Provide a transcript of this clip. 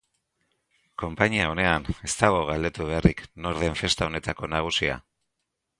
Konpainia onean, ez dago galdetu beharrik nor den festa honetako nagusia.